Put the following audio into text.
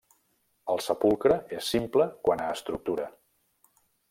El sepulcre és simple quant a estructura.